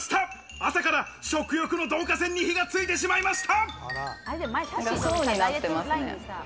朝から食欲の導火線に火がついてしまいました！